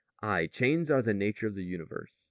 "Aye, chains are the nature of the universe.